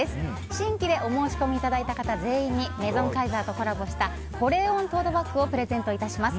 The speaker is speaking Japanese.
新規でお申し込みいただいた方全員にメゾンカイザーとコラボした保冷温トートバッグをプレゼントいたします。